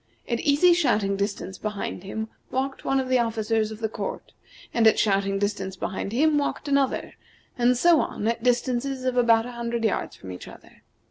At easy shouting distance behind him walked one of the officers of the court, and at shouting distance behind him walked another, and so on at distances of about a hundred yards from each other.